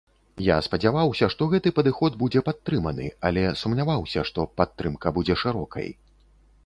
Я спадзяваўся, што гэты падыход будзе падтрыманы, але сумняваўся, што падтрымка будзе шырокай.